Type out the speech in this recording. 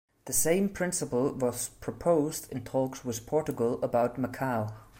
The same principle was proposed in talks with Portugal about Macau.